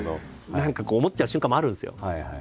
何か思っちゃう瞬間もあるんですよ。